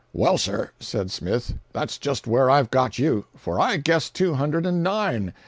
"Well, sir," said Smith, "that's just where I've got you, for I guessed two hundred and nine.